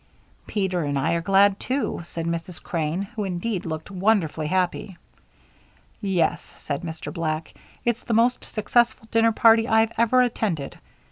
"Peter and I are glad, too," said Mrs. Crane, who indeed looked wonderfully happy. "Yes," said Mr. Black, "it's the most successful dinner party I've ever attended.